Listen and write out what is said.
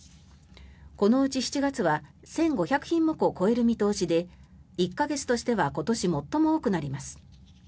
このうち７月は１５００品目を超える見通しで１か月としては今年最も多くなります。